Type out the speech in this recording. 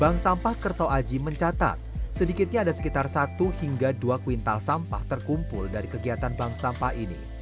bank sampah kerto aji mencatat sedikitnya ada sekitar satu hingga dua kuintal sampah terkumpul dari kegiatan bank sampah ini